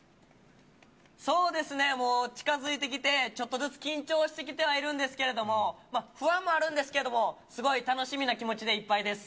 そうですね、もう近づいてきて、ちょっとずつ緊張してきてはいるんですけれども、不安もあるんですけれども、すごい楽しみな気持ちでいっぱいです。